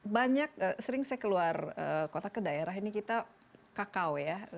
banyak sering saya keluar kota ke daerah ini kita kakao ya